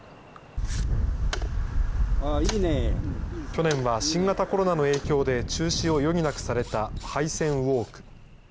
去年は新型コロナの影響で中止を余儀なくされた廃線ウォーク。